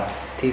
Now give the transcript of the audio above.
có thất kỷ